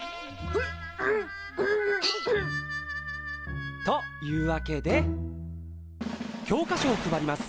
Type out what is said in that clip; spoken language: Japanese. ヘッ！というわけで教科書を配ります。